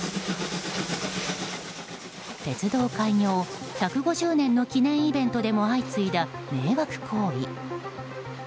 鉄道開業１５０年の記念イベントでも相次いだ迷惑行為。